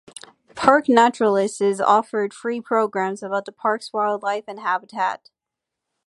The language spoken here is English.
Park naturalists offered free programs about the park's wildlife and habitat.